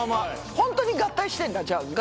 ホントに合体してんだ合体